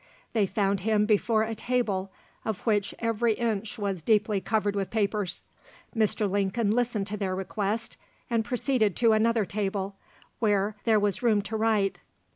They found him before a table, of which every inch was deeply covered with papers. Mr. Lincoln listened to their request, and proceeded to another table, where there was room to write.